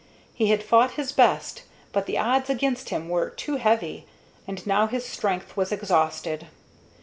He had fought his best, but the odds against him were too heavy, and now his strength was exhausted.